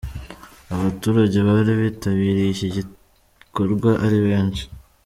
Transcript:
Abaturage bari bitabiriye iki gikorwa ari benshi.